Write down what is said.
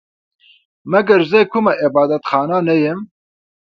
مګر زه کومه عبادت خانه نه یم